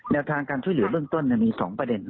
ทางการช่วยเหลือเบื้องต้นมี๒ประเด็น